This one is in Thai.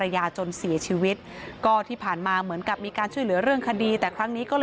ต้องมายิงกันตายไม่เคยมีลักษณะแบบนี้มาก่อน